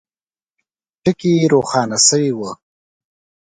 ټکي روښانه سوي وه.